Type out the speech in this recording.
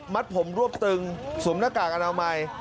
มัดผมรวบตึงสวมหน้ากากอันเอาใหม่